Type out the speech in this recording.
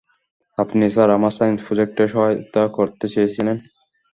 আপনি না আমার সাইন্স প্রোজেক্টে সাহায়তা করতে চেয়েছিলেন?